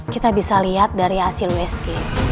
kita bisa lihat dari hasil usg